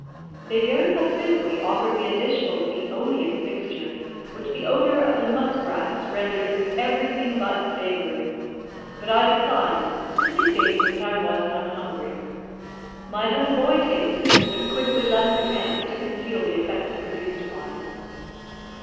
They very hospitably offered me a dishful of the odious mixture, which the odour of the muskrats rendered everything but savoury; but I declined, simply stating that I was not hungry. My little boy tasted it, but quickly left the camp to conceal the effect it produced upon him.